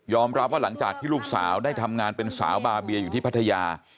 รับว่าหลังจากที่ลูกสาวได้ทำงานเป็นสาวบาเบียอยู่ที่พัทยา